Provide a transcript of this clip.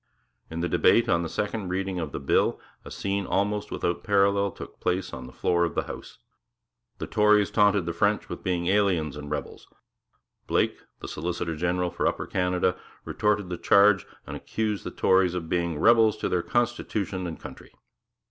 In the debate on the second reading of the bill a scene almost without parallel took place on the floor of the House. The Tories taunted the French with being 'aliens and rebels.' Blake, the solicitor general for Upper Canada, retorted the charge, and accused the Tories of being 'rebels to their constitution and country.'